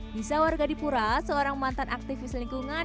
nisa warga di pura seorang mantan aktivis lingkungan